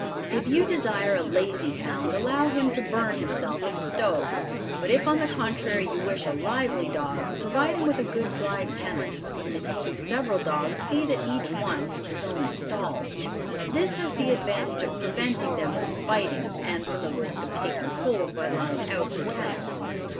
If you desire a lazy hound allow him to burn himself at the stove, but if on the contrary you wish a lively dog, provide him with a good dry kennel and if you keep several dogs see that each one has his own stall. This has the advantage of preventing them from fighting and from the risk of taking cold by lying out of the kennel.